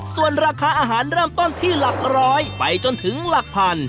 ส่วนราคาอาหารเริ่มต้นที่หลักร้อยไปจนถึงหลักพัน